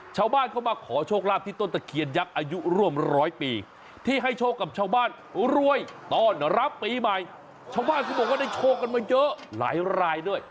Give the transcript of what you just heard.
ชาวบ้านเขามาขอโชคลาภที่ต้นตะเคียนยักษ์อายุร่วมร้อยปีที่ให้โชคกับชาวบ้านรวยต้อนรับปีใหม่ชาวบ้านเขาบอกว่าได้โชคกันมาเยอะหลายรายด้วย